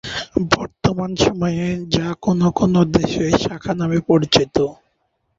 বর্তমান সময়ে যা কোনো কোনো দেশে "শাখা" নামে পরিচিত।